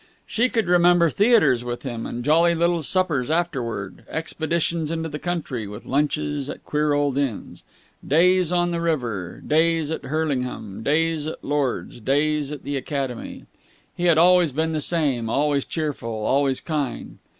She could remember theatres with him, and jolly little suppers afterwards; expeditions into the country, with lunches at queer old inns; days on the river, days at Hurlingham, days at Lords', days at the Academy. He had always been the same, always cheerful, always kind.